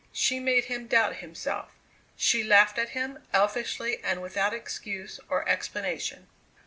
She made him doubt himself; she laughed at him, elfishly and without excuse or explanation.